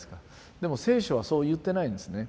でも聖書はそう言ってないんですね。